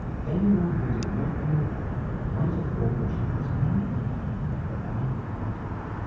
Anyone who did not know her might have thought that she was angry, but I knew better.